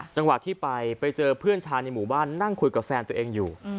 จังหวะที่ไปไปเจอเพื่อนชายในหมู่บ้านนั่งคุยกับแฟนตัวเองอยู่